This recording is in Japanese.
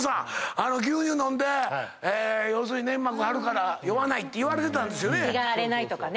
牛乳飲んで粘膜が張るから酔わないといわれてたんですよね。